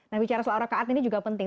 nah bicara soal rokaat ini juga penting